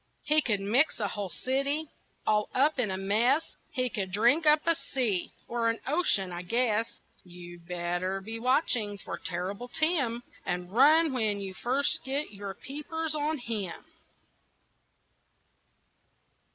He could mix a whole city All up in a mess, He could drink up a sea Or an ocean, I guess. You'd better be watching for Terrible Tim, And run when you first get your peepers on him.